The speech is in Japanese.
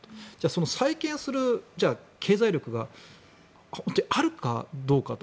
その再建する経済力が本当にあるかどうかと。